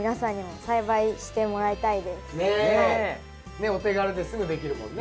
ねっお手軽ですぐできるもんね。